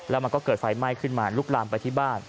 แล้วมันก็เกิดไฟไหม้ขึ้นมาลุกลามไปที่บ้าน